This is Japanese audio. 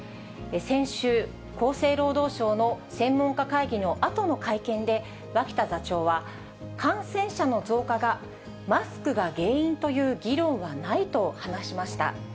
先週、厚生労働省の専門家会議のあとの会見で、脇田座長は、感染者の増加がマスクが原因という議論はないと話しました。